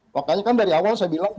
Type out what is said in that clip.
makanya kan dari awal saya bilang